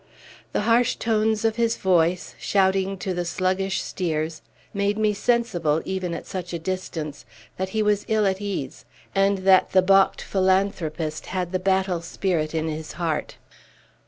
The harsh tones of his voice, shouting to the sluggish steers, made me sensible, even at such a distance, that he was ill at ease, and that the balked philanthropist had the battle spirit in his heart.